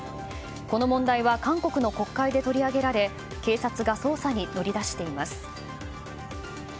この問題は韓国の国会で取り上げられ警察が捜査に乗り出しています。